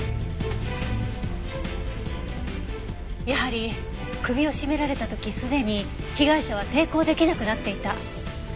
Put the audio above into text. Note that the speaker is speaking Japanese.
やはり首を絞められた時すでに被害者は抵抗できなくなっていた。